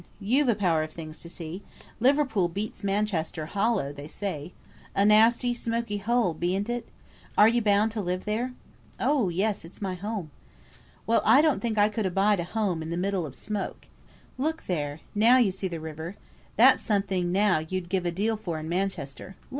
you've a power of things to see. Liverpool beats Manchester hollow, they say. A nasty, smoky hole, bean't it? Are you bound to live there?" "Oh, yes! it's my home." "Well, I don't think I could abide a home in the middle of smoke. Look there! now you see the river! That's something now you'd give a deal for in Manchester.